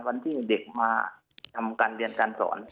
วันที่เด็กมาทำการเรียนการสอน